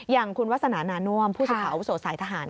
อย่างคุณวัฒนานานวมผู้สิทธิ์ขาวอุโสสายทหาร